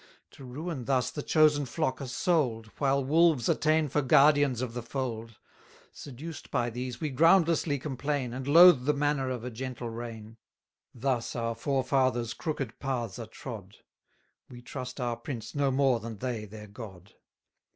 To ruin thus the chosen flock are sold, While wolves are ta'en for guardians of the fold; Seduced by these, we groundlessly complain, And loathe the manna of a gentle reign: 700 Thus our forefathers' crooked paths are trod We trust our prince no more than they their God.